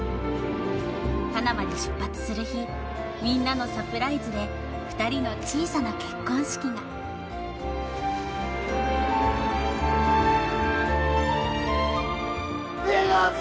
パナマに出発する日みんなのサプライズで２人の小さな結婚式がしずか！